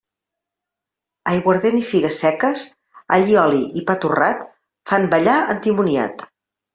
Aiguardent i figues seques, allioli i pa torrat, fan ballar endimoniat.